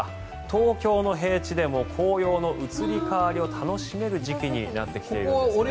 東京の平地でも紅葉の移り変わりを楽しめる時期になってきていますね。